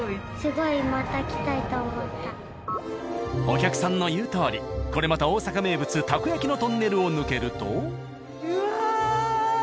お客さんの言うとおりこれまた大阪名物たこ焼きのトンネルを抜けると。